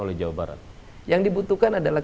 oleh jawa barat yang dibutuhkan adalah